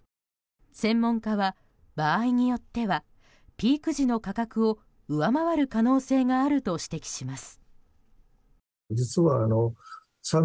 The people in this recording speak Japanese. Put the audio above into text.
専門家は、場合によってはピーク時の価格を上回る可能性があると指摘します。